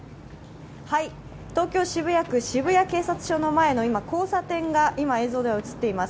東京・渋谷区渋谷警察署前の交差点が映っています。